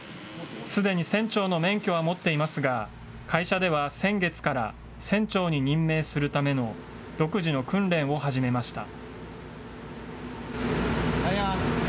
すでに船長の免許は持っていますが、会社では先月から船長に任命するための、独自の訓練を始めました。